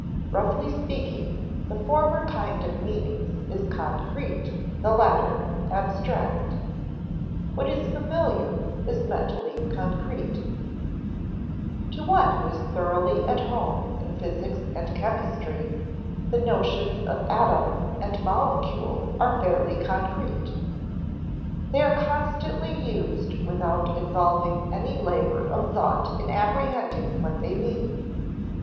Roughly speaking, the former kind of meanings is concrete; the latter abstract. [Sidenote: What is familiar is mentally concrete] To one who is thoroughly at home in physics and chemistry, the notions of atom and molecule are fairly concrete. They are constantly used without involving any labor of thought in apprehending what they mean.